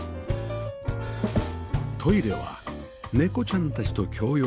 トイレは猫ちゃんたちと共用